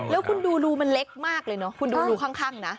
แล้วคุณดูรูมันเล็กมากเลยเนอะคุณดูรูข้างนะ